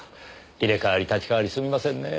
入れ代わり立ち代わりすみませんねぇ。